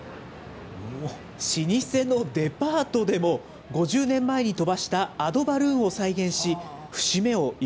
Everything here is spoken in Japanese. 老舗のデパートでも、５０年前に飛ばしたアドバルーンを再現し、再現して。